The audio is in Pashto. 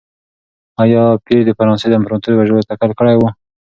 ایا پییر د فرانسې د امپراتور د وژلو تکل کړی و؟